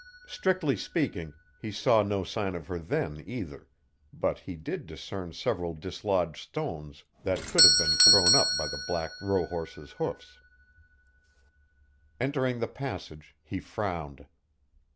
Strictly speaking, he saw no sign of her then either, but he did discern several dislodged stones that could have been thrown up by the black rohorse's hoofs. Entering the passage, he frowned.